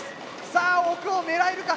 さあ奥を狙えるか。